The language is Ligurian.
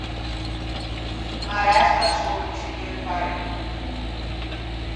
M’arresta solo ciù che un parente.